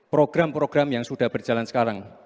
program program yang sudah berjalan sekarang